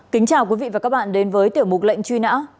kính chào quý vị và các bạn đến với tiểu mục lệnh truy nã